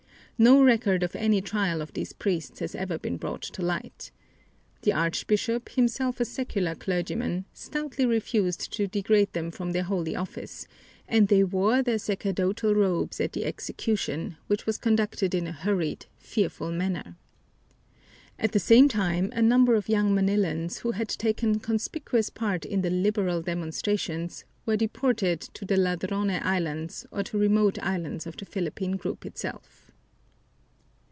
No record of any trial of these priests has ever been brought to light. The Archbishop, himself a secular clergyman, stoutly refused to degrade them from their holy office, and they wore their sacerdotal robes at the execution, which was conducted in a hurried, fearful manner. At the same time a number of young Manilans who had taken conspicuous part in the "liberal" demonstrations were deported to the Ladrone Islands or to remote islands of the Philippine group itself.